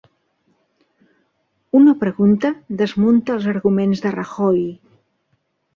Una pregunta desmunta els arguments de Rajoy